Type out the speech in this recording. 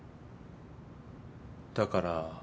だから。